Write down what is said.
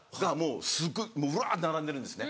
すごいもううわって並んでるんですね。